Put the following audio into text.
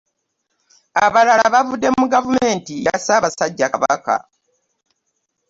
Abalala bavudde mu gavumenti ya ssaabasajja Kabaka